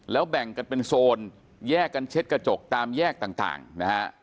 แล้วแบ่งกันเป็นโซนแยกกันเช็ดกระจกตามแยกต่างนะฮะ